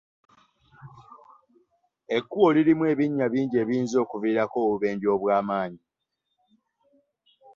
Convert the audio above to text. Enkubo lirimu ebinya bingi ebiyinza okuviirako obubenje obw'amaanyi.